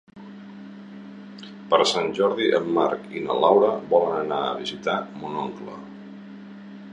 Per Sant Jordi en Marc i na Laura volen anar a visitar mon oncle.